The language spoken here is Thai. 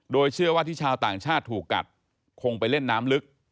โดยเชื่อว่าที่ชาวต่างชาติถูกกัดคงไปเล่นน้ำลึก